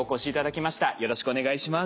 よろしくお願いします。